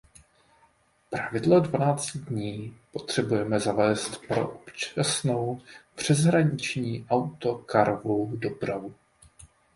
Pravidlo dvanácti dní potřebujeme zavést pro občasnou přeshraniční autokarovou dopravu.